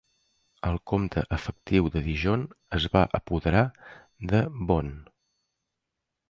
El comte efectiu de Dijon es va apoderar de Beaune.